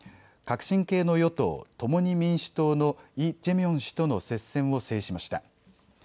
革新系の与党、共に民主党のイ・ジェミョン氏との接戦を制しました。